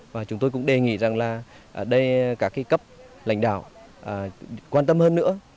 và chúng tôi cũng đề nghị rằng là ở đây các cấp lãnh đạo quan tâm hơn nữa